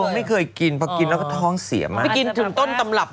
ไม่เคยกินพอกินแล้วก็ท้องเสียมากไปกินถึงต้นตำรับ